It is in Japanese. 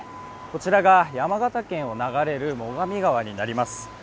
こちらは山形県を流れる最上川になります。